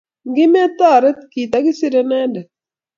Ngimetoret, kitogisiire inendet